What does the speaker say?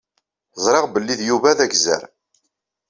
Ẓriɣ belli d Yuba d agezzar.